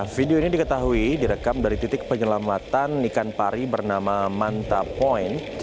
video ini diketahui direkam dari titik penyelamatan ikan pari bernama manta point